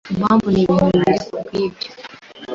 Impamvu ni ibintu bibiri rwoseKubwibyo